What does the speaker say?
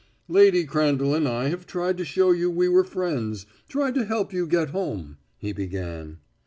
"Lady Crandall and I have tried to show you we were friends tried to help you get home," he began.